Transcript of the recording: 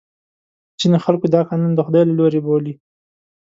ځینې خلکو دا قانون د خدای له لورې بولي.